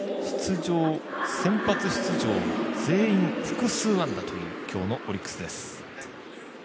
先発出場全員複数安打という今日のオリックスです。